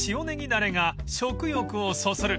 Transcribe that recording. だれが食欲をそそる］